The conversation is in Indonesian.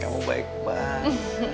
kamu baik mas